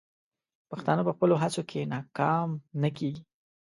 پښتانه په خپلو هڅو کې ناکام نه کیږي.